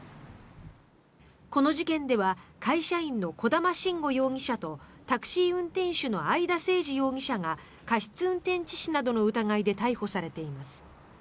この事件では会社員の小玉慎悟容疑者とタクシー運転手の会田誠司容疑者が過失運転致死などの疑いで逮捕されています。